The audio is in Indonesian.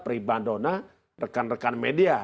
peribadona rekan rekan media